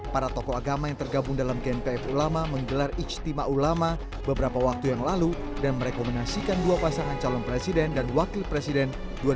para tokoh agama yang tergabung dalam gnpf ulama menggelar ijtima ulama beberapa waktu yang lalu dan merekomendasikan dua pasangan calon presiden dan wakil presiden dua ribu sembilan belas